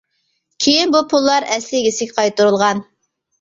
كېيىن بۇ پۇللار ئەسلى ئىگىسىگە قايتۇرۇلغان.